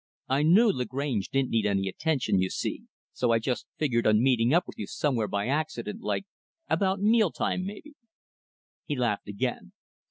I knew Lagrange didn't need any attention, you see; so I just figured on meeting up with you somewhere by accident like about meal time, mebbe." He laughed again.